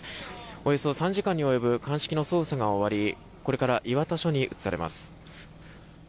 およそ３時間に及ぶ鑑識の捜査が終わりこれから磐田署に移されます。